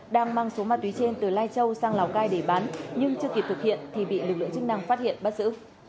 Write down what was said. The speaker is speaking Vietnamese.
đang mang số ma túy trên từ lai châu sang lào cai để bán nhưng chưa kịp thực hiện thì bị lực lượng chức năng phát hiện bắt giữ